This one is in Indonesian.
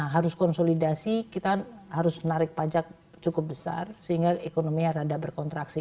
harus konsolidasi kita harus menarik pajak cukup besar sehingga ekonominya rada berkontraksi